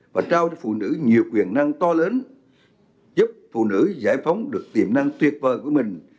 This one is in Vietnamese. và trao cho phụ nữ nhiều quyền năng to lớn giúp phụ nữ giải phóng được tiềm năng tuyệt vời của mình